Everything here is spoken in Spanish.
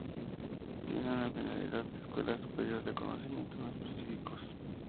Tiene una finalidad de escuela superior de conocimientos específicos.